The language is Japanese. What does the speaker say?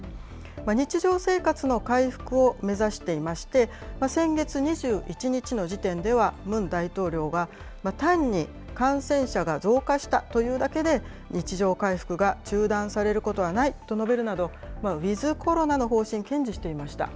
日常生活の回復を目指していまして、先月２１日の時点では、ムン大統領が、単に感染者が増加したというだけで、日常回復が中断されることはないと述べるなど、ウィズコロナの方針を堅持していました。